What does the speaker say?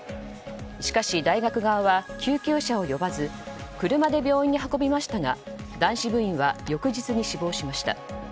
しかし大学側は救急車を呼ばず車で病院に運びましたが男子部員は、翌日に死亡しました。